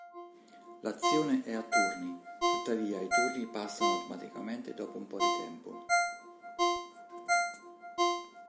L'azione è a turni, tuttavia i turni passano automaticamente dopo un po' di tempo.